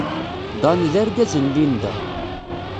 Dan d argaz n Linda.